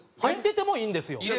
入っててもいいんですよ。